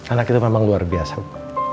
anak itu memang luar biasa